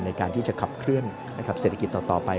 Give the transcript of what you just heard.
ในการที่จะขับเคลื่อนเศรษฐกิจต่อไป